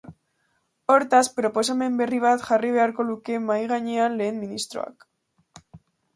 Hortaz, proposamen berri bat jarri beharko luke mahai gainean lehen ministroak.